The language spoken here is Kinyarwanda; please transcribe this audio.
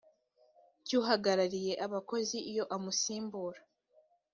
cy uhagarariye abakozi iyo amusimbura